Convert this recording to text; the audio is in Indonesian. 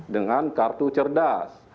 dengan kartu cerdas